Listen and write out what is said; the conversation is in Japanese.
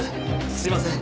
すみません。